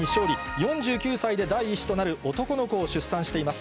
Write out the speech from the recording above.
４９歳で第１子となる男の子を出産しています。